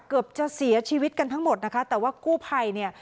เกือบจะเสียชีวิตกันทั้งหมดนะคะแต่ว่ากู้ภัยเนี่ย